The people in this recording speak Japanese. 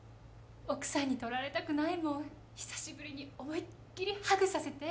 ・奥さんにとられたくないもん・久しぶりに思いっきりハグさせて！